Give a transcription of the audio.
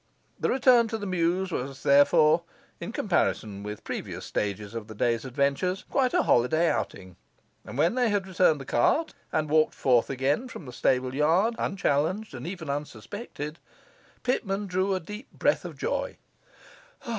The return to the mews was therefore (in comparison with previous stages of the day's adventures) quite a holiday outing; and when they had returned the cart and walked forth again from the stable yard, unchallenged, and even unsuspected, Pitman drew a deep breath of joy.